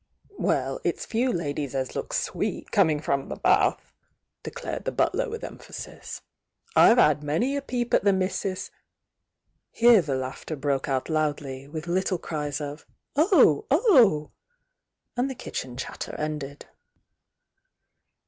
"Well, it's few ladies as looks 'sweet' coming from the bath !" declared the butler with emphasis. "I've had many a peep at the missis " Here the laughter broke out loudly, with little cries of: "Oh! Oh!"— and the kitchen chatter ended.